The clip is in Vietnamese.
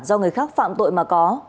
do người khác phạm tội mà có